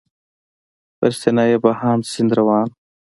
پر سینه یې بهاند سیند روان و.